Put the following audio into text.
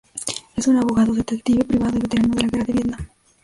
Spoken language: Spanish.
Es un abogado, detective privado y veterano de la Guerra de Vietnam.